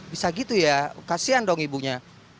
bisa gitu ya kasian dong ibunya